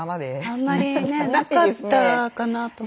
あんまりねなかったかなと。